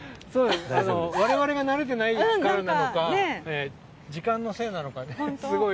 我々が慣れてないからか時間のせいなのか。